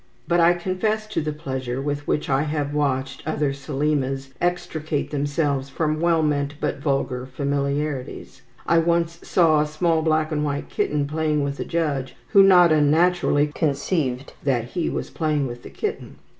But I confess to the pleasure with which I have watched other Selimas extricate themselves from well meant but vulgar familiarities. I once saw a small black and white kitten playing with a judge, who, not unnaturally, conceived that he was playing with the kitten.